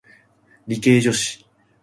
理系女性